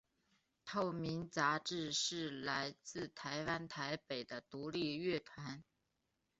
透明杂志是来自台湾台北的独立乐团。